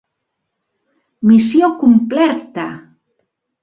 Missió complerta!